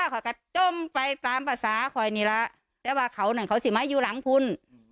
เขาก็ต้องไปตามภาษาคอยนี้ละแต่ว่าเขาน่ะเขาสิไม่อยู่หลังพุน